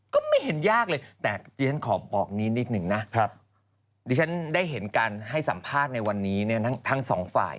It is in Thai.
ก็ไม่เห็นยากเลยแต่ที่ฉันขอบอกนี้นิดนึงนะดิฉันได้เห็นการให้สัมภาษณ์ในวันนี้เนี่ยทั้งสองฝ่าย